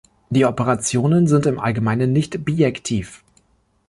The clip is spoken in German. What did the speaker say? Die Operationen sind im Allgemeinen nicht bijektiv.